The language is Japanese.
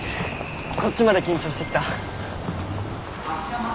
こっちまで緊張してきた。